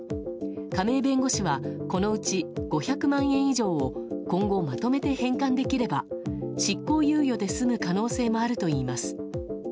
亀井弁護士はこのうち５００万円以上を今後まとめて返還できれば執行猶予で済む可能性もあるといいます。